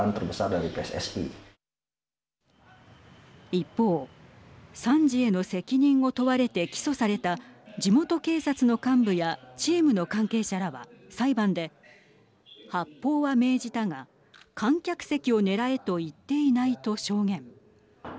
一方、惨事への責任を問われて起訴された地元警察の幹部やチームの関係者らは裁判で発砲は命じたが観客席を狙えと言っていないと証言。